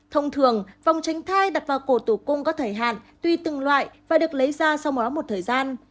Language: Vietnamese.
thông thường vòng tránh thai đặt vào cổ tử cung có thời hạn tùy từng loại và được lấy ra sau mỗi lúc một thời gian